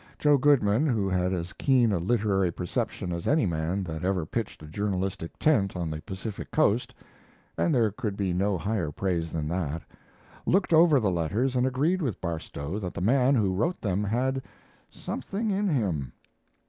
Joe Goodman, who had as keen a literary perception as any man that ever pitched a journalistic tent on the Pacific coast (and there could be no higher praise than that), looked over the letters and agreed with Barstow that the man who wrote them had "something in him."